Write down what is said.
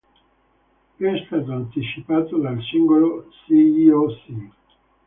È stato anticipato dal singolo "Si io si!".